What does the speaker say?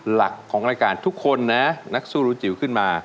หลักของรายการทุกคนนะนักสู้รุจิ๋วขึ้นมา